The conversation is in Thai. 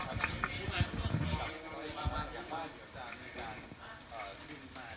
มี